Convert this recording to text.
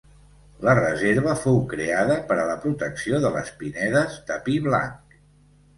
La reserva fou creada per a la protecció de les pinedes de pi blanc.